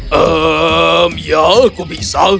hmm ya aku bisa